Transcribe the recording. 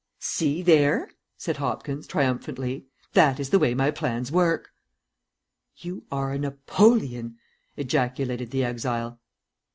"See, there!" said Hopkins, triumphantly. "That is the way my plans work." "You are a Napoleon!" ejaculated the exile.